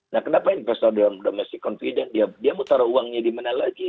nah kenapa investor domestik confident dia mau taruh uangnya dimana lagi